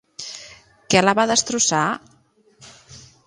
Què la va destrossar?